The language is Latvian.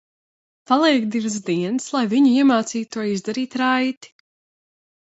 Paliek divas dienas, lai viņu iemācītu to izdarīt raiti.